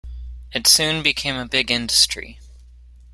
It soon became a big industry.